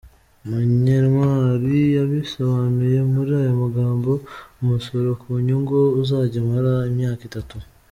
Munyentwari yabisobanuye muri aya magambo “Umusoro ku nyungu uzajya umara imyaka itatu.